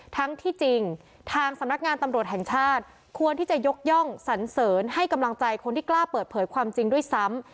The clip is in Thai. ทั้งที่จริงทางสำนักงานตำรวจแห่งชาติควรที่จะยกย่องสันเสริญให้กำลังใจคนที่กล้าเปิดเผยความจริงด้วยซ้ำ